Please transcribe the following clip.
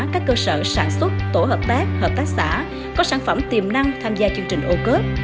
các cơ sở sản xuất tổ hợp tác hợp tác xã có sản phẩm tiềm năng tham gia chương trình ô cớp